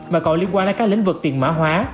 mà còn liên quan đến các lĩnh vực tiền mã hóa